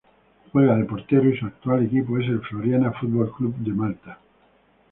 Juega de Portero y su actual equipo es el Floriana Football Club de Malta.